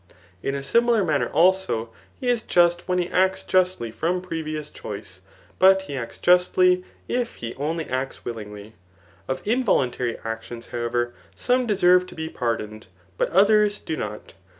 In a simi lar manner also, he is just when he acts justly from pre vious choice ; but he acts justly, if he only acts willingly. Of involuntary actions, however, some deserve to be par doned, but others do not.